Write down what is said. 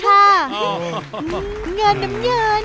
เหอเหนือนดมยนต์